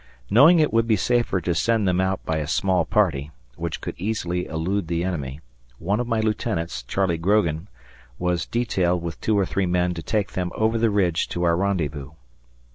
Knowing it would be safer to send them out by a small party, which could easily elude the enemy, one of my lieutenants, Charlie Grogan, was detailed with two or three men to take them over the ridge to our rendezvous.